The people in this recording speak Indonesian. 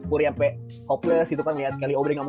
gue udah sampe hopeless gitu kan liat kelly obrey